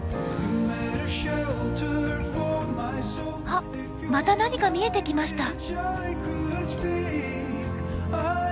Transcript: あっまた何か見えてきました。